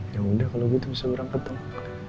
ya udah kalau gitu bisa kurang ketawa